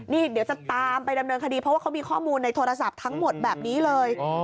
นี่เดี๋ยวจะตามไปดำเนินคดีเพราะว่าเขามีข้อมูลในโทรศัพท์ทั้งหมดแบบนี้เลย